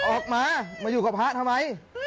ออกมามาอยู่กับพระทำไม